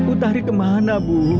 utari kemana bu